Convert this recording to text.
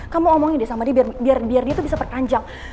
kamu omongin deh sama dia biar dia tuh bisa perpanjang